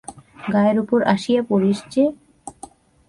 গায়ের উপর আসিয়া পড়িস যে!